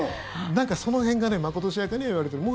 その辺がまことしやかには言われている。